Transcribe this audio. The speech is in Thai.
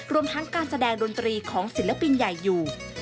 รวมทั้งการแสดงดนตรีของศิลปินใหญ่อยู่